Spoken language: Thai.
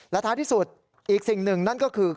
และท้ายที่สุดอีกสิ่งหนึ่งนั่นก็คือ